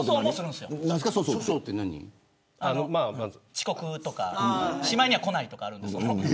遅刻とか、しまいには来ないとかあるんです。